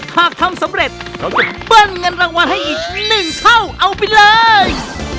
หากทำสำเร็จเราจะเบิ้ลเงินรางวัลให้อีก๑เท่าเอาไปเลย